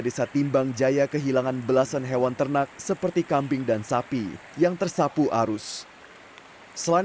desa timbang jaya kehilangan belasan hewan ternak seperti kambing dan sapi yang tersapu arus selain